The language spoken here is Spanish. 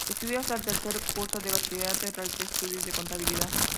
Estudió hasta el tercer curso de bachillerato y realizó estudios de contabilidad.